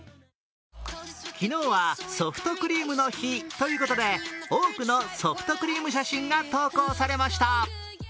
昨日はソフトクリームの日ということで、多くのソフトクリーム写真が投稿されました。